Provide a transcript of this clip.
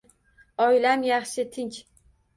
Oilam yaxshi, tinch.